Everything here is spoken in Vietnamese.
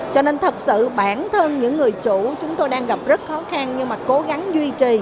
cho nên thật sự bản thân những người chủ chúng tôi đang gặp rất khó khăn nhưng mà cố gắng duy trì